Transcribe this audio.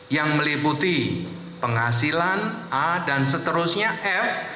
yang meliputi penghasilan a dan seterusnya f